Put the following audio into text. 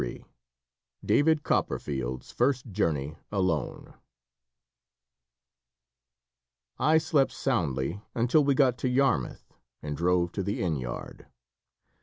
Burns DAVID COPPERFIELD'S FIRST JOURNEY ALONE I slept soundly until we got to Yarmouth and drove to the inn yard.